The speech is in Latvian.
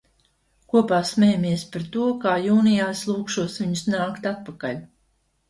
Kopā smejamies par to, kā jūnijā es lūgšos viņus nākt atpakaļ.